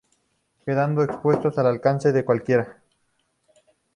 quedando expuesto al alcance de cualquiera